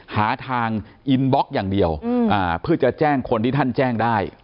หาทางอินบล็อกอย่างเดียวเพื่อจะแจ้งคนที่ท่านแจ้งได้